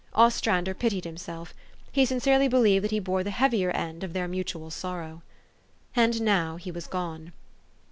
Ostrander pitied himself. He sin cerely believed that he bore the heavier end of their mutual sorrow. And now he was gone.